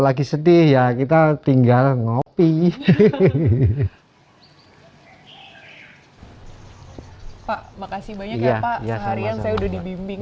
lagi sedih ya kita tinggal ngopi pak makasih banyak ya pak seharian saya udah dibimbing